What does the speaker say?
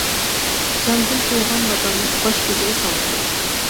جاندىن تويغان ناداننىڭ، باش كۆزىگە سالغىلى.